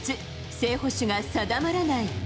正捕手が定まらない。